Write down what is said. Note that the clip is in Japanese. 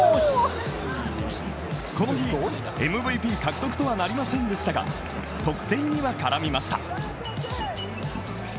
この日、ＭＶＰ獲得とはなりませんでしたが、得点には絡みました。